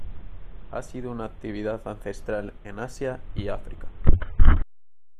Ha sido una actividad ancestral en Asia y África.